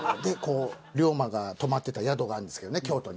龍馬が泊まってた宿があるんですけどね京都に。